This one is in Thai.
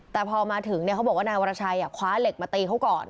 แต่พอมาถึงเขาบอกว่านายวรชัยคว้าเหล็กมาตีเขาก่อน